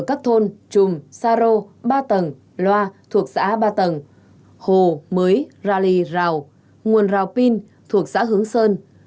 các thôn trùm sa rô ba tầng loa thuộc xã ba tầng hồ mới rà lì rào nguồn rào pin thuộc xã hướng sơn